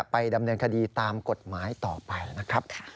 ไปดำเนินคดีตามกฎหมายต่อไปนะครับ